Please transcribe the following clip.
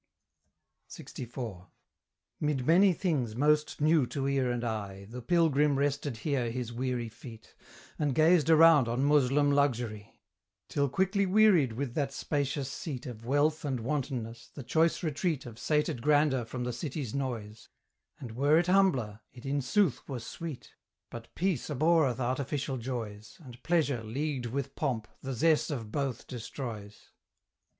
LXIV. Mid many things most new to ear and eye, The pilgrim rested here his weary feet, And gazed around on Moslem luxury, Till quickly wearied with that spacious seat Of Wealth and Wantonness, the choice retreat Of sated Grandeur from the city's noise: And were it humbler, it in sooth were sweet; But Peace abhorreth artificial joys, And Pleasure, leagued with Pomp, the zest of both destroys.